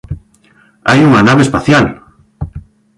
Hai unha nave espacial!